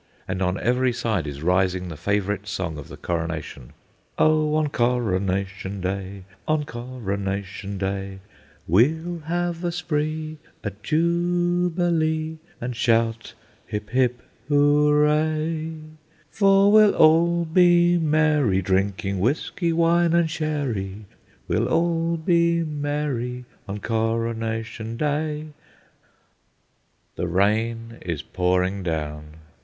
And on every side is rising the favourite song of the Coronation:— "Oh! on Coronation Day, on Coronation Day, We'll have a spree, a jubilee, and shout, Hip, hip, hooray, For we'll all be merry, drinking whisky, wine, and sherry, We'll all be merry on Coronation Day." The rain is pouring down.